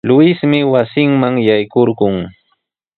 Luismi wasinman yaykurqun.